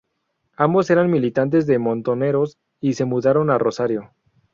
Ambos eran militantes de Montoneros y se mudaron a Rosario.